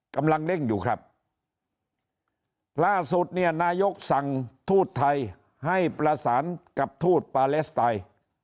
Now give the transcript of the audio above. กำลังเร่งอยู่ครับล่าสุดเนี่ยนายกสั่งทูตไทยให้ประสานกับทูตปาเลสไตน์